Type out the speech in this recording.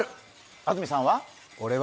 安住さんは？